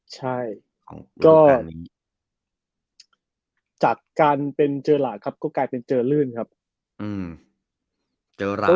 ใช่ก็จากการเป็นเจอหลากครับก็กลายเป็นเจอลื่นครับ